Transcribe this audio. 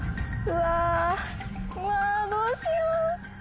うわぁどうしよう。